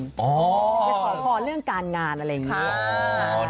ขอพรเรื่องการงานอะไรอย่างนี้